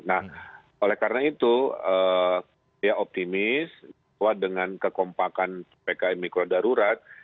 nah oleh karena itu saya optimis bahwa dengan kekompakan ppkm mikro darurat